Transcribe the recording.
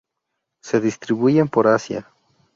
Se distribuyen por Asia.